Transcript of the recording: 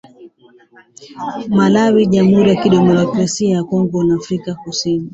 Malawi, Jamhuri ya Kidemokrasia ya Kongo na Afrika kusini.